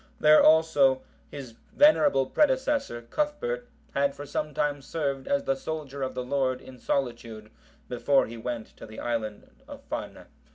There also his venerable predecessor, Cuthbert, had for some time served as the soldier of the Lord in solitude before he went to the isle of Farne.